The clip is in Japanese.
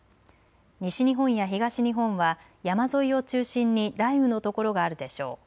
西日本や東日本は山沿いを中心に雷雨の所があるでしょう。